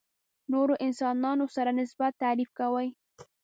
نورو انسانانو سره نسبت تعریف کوي.